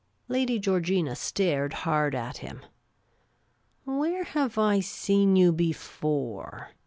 Lady Georgina stared hard at him. " Where have I seen j'ou before?"